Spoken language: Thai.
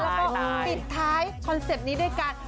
แล้วพิกเต้ายทริปนี้ด้วยก่อน